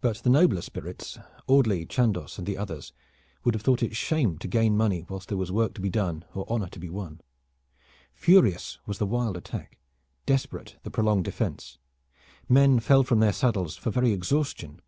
But the nobler spirits Audley, Chandos and the others would have thought it shame to gain money whilst there was work to be done or honor to be won. Furious was the wild attack, desperate the prolonged defense. Men fell from their saddles for very exhaustion.